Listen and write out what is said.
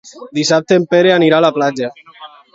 Dissabte en Pere anirà a la platja.